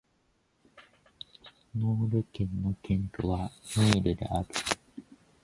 ノール県の県都はリールである